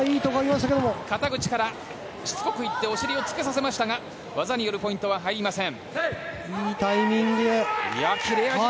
肩口からしつこく入ってお尻をつけさせましたが技によるポイントは入りません。